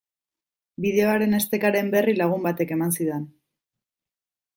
Bideoaren estekaren berri lagun batek eman zidan.